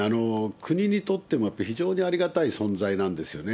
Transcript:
国にとっても、やっぱり非常にありがたい存在なんですよね。